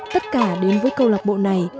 tất cả đến với câu lạc bộ này